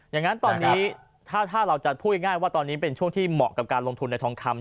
อย่างนั้นตอนนี้ถ้าเราจะพูดง่ายว่าตอนนี้เป็นช่วงที่เหมาะกับการลงทุนในทองคำ